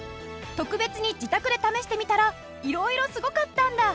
特別に自宅で試してみたら色々すごかったんだ！